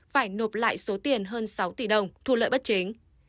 phải nộp lại số tiền hơn sáu tỷ đồng thu lợi bất chính